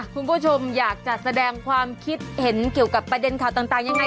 คุณผู้ชมอยากจะแสดงความคิดเห็นเกี่ยวกับประเด็นข่าวต่างยังไง